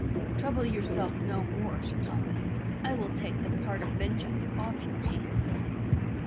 "Trouble yourself no more, Sir Thomas. I will take the part of vengeance off your hands."